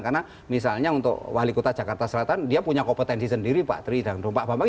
karena misalnya untuk wali kota jakarta selatan dia punya kompetensi sendiri pak tri dan rumpak bambang